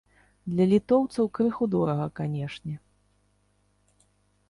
Для літоўцаў крыху дорага, канечне.